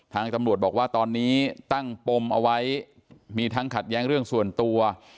ทางตำรวจบอกว่าตอนนี้ตั้งปมเอาไว้มีทั้งขัดแย้งเรื่องส่วนตัว